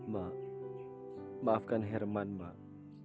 mak maafkan herman mak